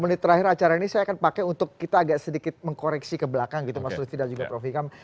sepuluh menit terakhir acara ini saya akan pakai untuk kita agak sedikit mengkoreksi ke belakang gitu mas lutfi dan juga prof ikam